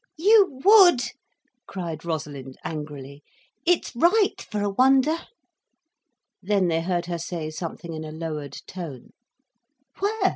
"You would," cried Rosalind angrily. "It's right for a wonder." Then they heard her say something in a lowered tone. "Where?"